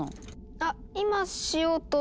あっ今しようと。